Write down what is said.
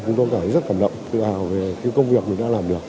chúng tôi cảm thấy rất cảm động tự hào về cái công việc mình đã làm được